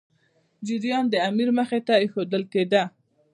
جریان د امیر مخي ته ایښودل کېدی.